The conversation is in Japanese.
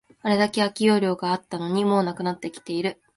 あれだけ空き容量があったのに、もうなくなっている